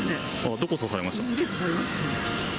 腕刺されました。